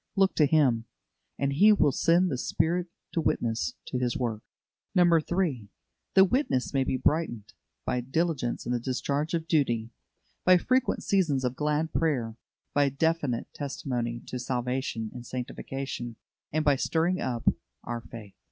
Look to Him, and He will send the Spirit to witness to His work. 3. The witness may be brightened by diligence in the discharge of duty, by frequent seasons of glad prayer, by definite testimony to salvation and sanctification, and by stirring up our faith.